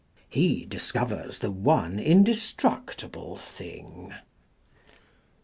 He dis covers the one indestructible thing.